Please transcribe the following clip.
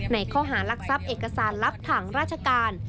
ในข้อหารักทรัพย์เอกสารลับทางราชการ